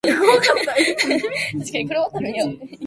そこに花が咲いてる